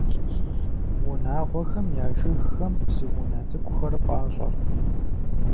Унагъуэхэм я жыгхэм бзу унэ цӀыкӀухэр фӀащӀэрт.